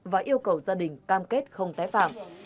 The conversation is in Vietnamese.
và yêu cầu gia đình cam kết không tái phạm